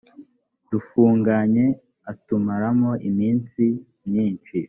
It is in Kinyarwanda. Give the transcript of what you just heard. dufunganye atumaramo iminsi myinshi